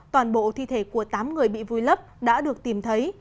toàn bộ thi thể của tám người bị vùi lấp đã được tìm thấy